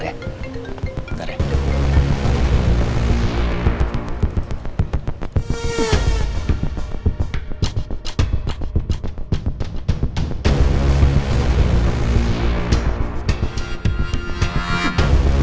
saya angkat telpon sementara ya